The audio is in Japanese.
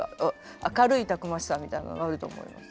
明るいたくましさみたいなのがあると思います。